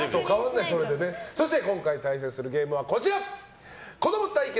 そして今回対戦するゲームはこちら子ども対決！